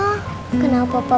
udah mama telepon dulu ya